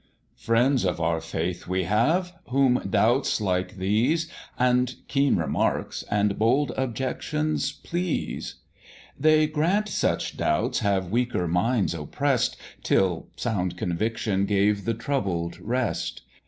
Friends of our Faith we have, whom doubts like these, And keen remarks, and bold objections please; They grant such doubts have weaker minds oppress'd, Till sound conviction gave the troubled rest.